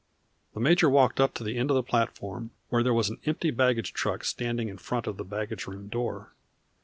The major walked up to the end of the platform, where there was an empty baggage truck standing in front of the baggage room door.